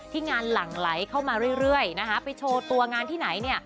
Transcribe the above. ที่งานหลั่งไลก์เข้ามาเรื่อยนะฮะไปโชว์ตัวงานที่ไหน